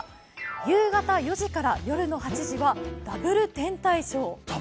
夕方６時から夜の８時はダブル天体ショー。